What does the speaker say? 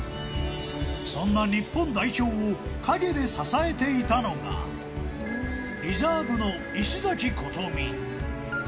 そんな日本代表を陰で支えていたのが、リザーブの石崎琴美。